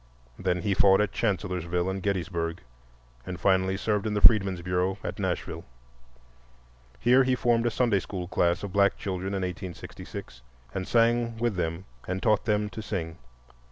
Then he fought at Chancellorsville and Gettysburg and finally served in the Freedmen's Bureau at Nashville. Here he formed a Sunday school class of black children in 1866, and sang with them and taught them to sing.